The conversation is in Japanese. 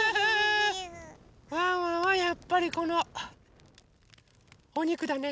ワンワンはやっぱりこのおにくだね。